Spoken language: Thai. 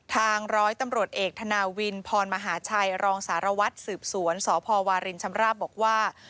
ร้อยตำรวจเอกธนาวินพรมหาชัยรองสารวัตรสืบสวนสพวารินชำราบบอกว่า